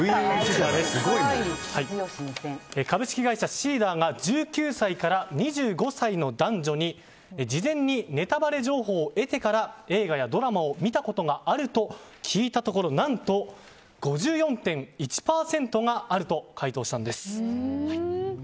株式会社ＳＥＥＤＥＲが１９歳から２５歳の男女に事前にネタバレ情報を得てから映画やドラマを見たことがあるか聞いたところ何と５４．１％があると回答したんです。